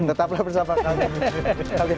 tetaplah bersama kami